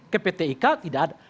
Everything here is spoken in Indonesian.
ke pt ika tidak ada